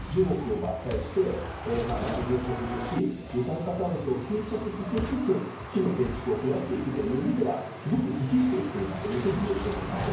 適切に樹木を伐採して苗木を植樹して二酸化炭素を吸着させつつ木の建築を増やしていく意味では適している国だといえると思います。